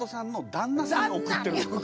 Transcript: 旦那に送ってる。